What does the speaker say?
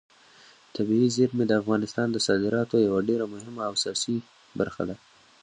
طبیعي زیرمې د افغانستان د صادراتو یوه ډېره مهمه او اساسي برخه ده.